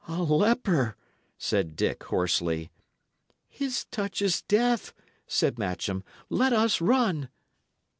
"A leper!" said Dick, hoarsely. "His touch is death," said Matcham. "Let us run."